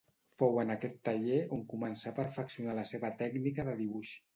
Fou en aquest taller on començà a perfeccionar la seva tècnica de dibuix.